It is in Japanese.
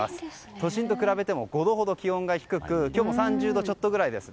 都心と比べても５度ほど気温が低く今日も３０度ちょっとぐらいです。